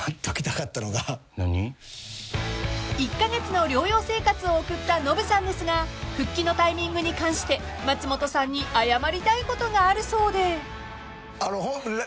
［１カ月の療養生活を送ったノブさんですが復帰のタイミングに関して松本さんに謝りたいことがあるそうで］